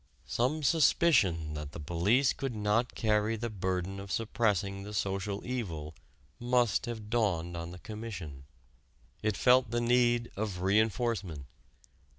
Some suspicion that the police could not carry the burden of suppressing the social evil must have dawned on the Commission. It felt the need of re enforcement.